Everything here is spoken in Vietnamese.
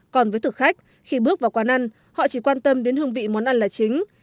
còn với thực khách khi bước vào quán ăn họ chỉ quan tâm đến hương vị món ăn là chính